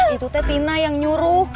itu tetina yang nyuruh